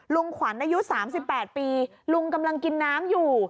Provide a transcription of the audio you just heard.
ลุงขวัญอายุ๓๘ปีลุงกำลังกินน้ำอยู่